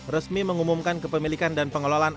resmi mengumumkan kepemilikan dan pengelolaan